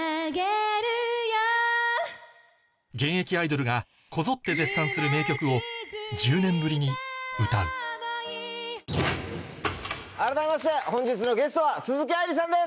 現役アイドルがこぞって絶賛する名曲を改めまして本日のゲストは鈴木愛理さんです。